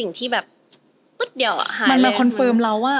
มันคอนเฟิร์มเราว่า